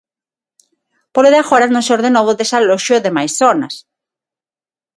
Polo de agora non se ordenou o desaloxo de máis zonas.